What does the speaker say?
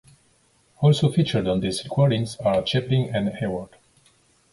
Also featured on these recordings are Chaplin and Hayward.